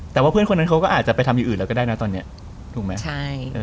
แต่ว่าเพื่อนคนนั้นเขาก็อาจจะไปทำอยู่อื่นเราก็ได้นะตอนนี้